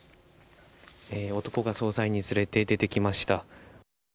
男が捜査員に連れられて出てきました。